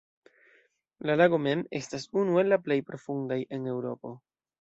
La lago mem, estas unu el la plej profundaj en Eŭropo.